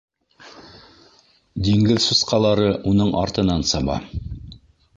Диңгеҙ сусҡалары уның артынан саба.